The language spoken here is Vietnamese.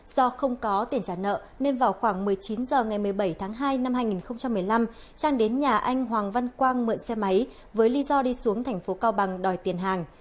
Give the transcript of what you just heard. do không có tiền trả nợ nên vào khoảng một mươi chín h ngày một mươi bảy tháng hai năm hai nghìn một mươi năm trang đến nhà anh hoàng văn quang mượn xe máy với lý do đi xuống thành phố cao bằng đòi tiền hàng